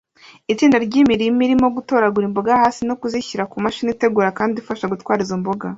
Itsinda ryimirima irimo gutoragura imboga hasi no kuzishyira kumashini itegura kandi ifasha gutwara izo mboga